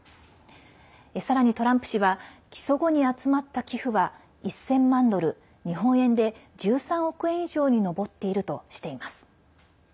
さらにトランプ氏は起訴後に集まった寄付は１０００万ドル日本円で１３億円以上に上っているとしています。